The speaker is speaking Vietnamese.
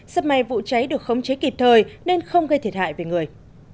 sắp may vụ cháy được khống chế kịp thời nên không gây thiệt hại về người